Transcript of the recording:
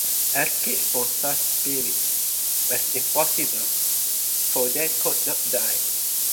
Escape from such spirits was impossible, for they could not die.